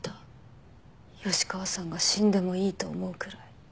吉川さんが死んでもいいと思うくらい。